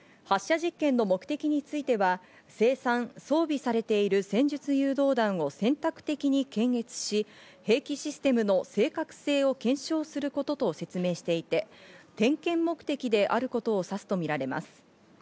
発射実験の目的については、生産、装備されている戦術誘導弾を選択的に検閲し、兵器システムの正確性を検証することと説明していて、点検目的であることを指すとみられます。